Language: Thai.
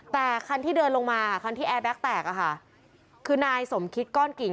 แต่คันที่เดินลงมาคันที่แอร์แก๊กแตกอะค่ะคือนายสมคิดก้อนกิ่ง